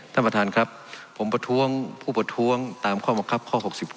ท่านประธานครับผมประท้วงผู้ประท้วงตามข้อบังคับข้อ๖๙